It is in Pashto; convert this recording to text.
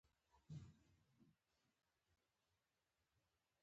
پر ځمکه يې ليکې جوړولې.